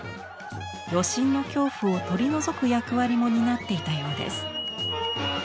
余震の恐怖を取り除く役割も担っていたようです。